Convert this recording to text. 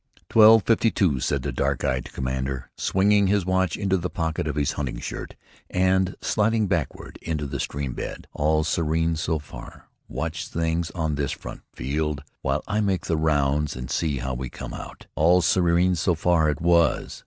"Twelve fifty two," said the dark eyed commander, swinging his watch into the pocket of his hunting shirt, and sliding backward into the stream bed. "All serene so far. Watch things on this front, Field, while I make the rounds and see how we came out." "All serene so far" it was!